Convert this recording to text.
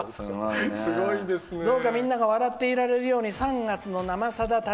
どうかみんなが笑っていられるように３月の「生さだ」